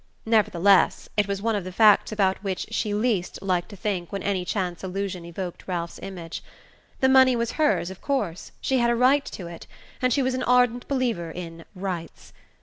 Nevertheless, it was one of the facts about which she least liked to think when any chance allusion evoked Ralph's image. The money was hers, of course; she had a right to it, and she was an ardent believer in "rights."